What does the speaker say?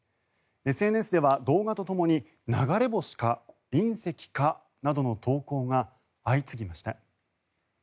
ＳＮＳでは動画とともに流れ星か、隕石かなどの投稿が相次ぎました。